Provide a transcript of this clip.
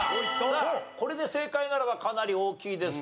さあこれで正解ならばかなり大きいです。